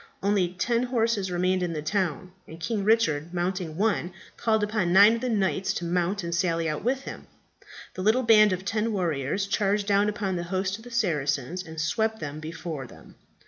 Only ten horses remained in the town, and King Richard, mounting one, called upon nine of the knights to mount and sally out with him. The little band of ten warriors charged down upon the host of the Saracens and swept them before them.